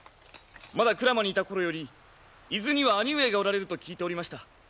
まだ鞍馬にいた頃より伊豆には兄上がおられると聞いておりました。